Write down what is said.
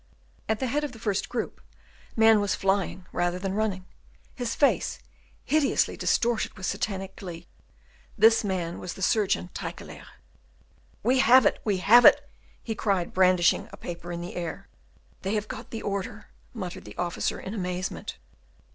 At the head of the first group, man was flying rather than running, his face hideously distorted with satanic glee: this man was the surgeon Tyckelaer. "We have it! we have it!" he cried, brandishing a paper in the air. "They have got the order!" muttered the officer in amazement.